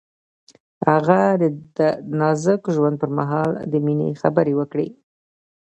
هغه د نازک ژوند پر مهال د مینې خبرې وکړې.